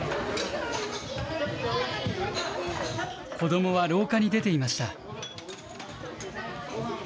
子どもは廊下に出ていました。